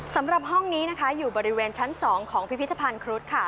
สำหรับห้องนี้นะคะอยู่บริเวณชั้น๒ของพิพิธภัณฑ์ครุฑค่ะ